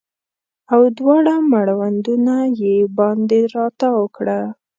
او دواړه مړوندونه یې باندې راتاو کړه